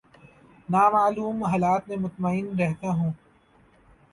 نا معلوم حالات میں مطمئن رہتا ہوں